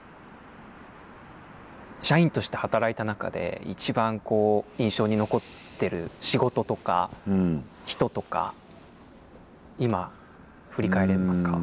社員として働いた中で一番印象に残ってる仕事とか人とか今振り返れますか？